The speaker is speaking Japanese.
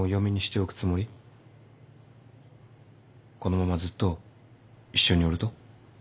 このままずっと一緒におると？